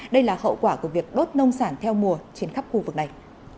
đây là hậu quả của việc đốt nông sản theo mùa trên khắp khu vực này